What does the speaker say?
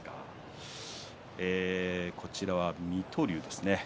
こちらは水戸龍ですね。